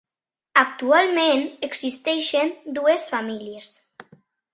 Actualment existeixen dues famílies.